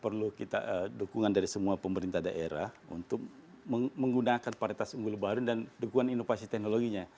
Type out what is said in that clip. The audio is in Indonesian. perlu kita dukungan dari semua pemerintah daerah untuk menggunakan paritas unggul baru dan dukungan inovasi teknologinya